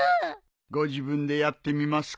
ご自分でやってみますか？